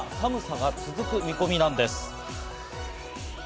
このまま寒さが続く見込みなんです。